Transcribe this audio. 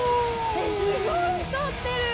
すごい太ってる！